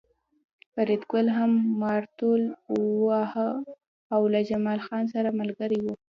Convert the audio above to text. فریدګل هم مارتول واهه او له جمال خان سره ملګری و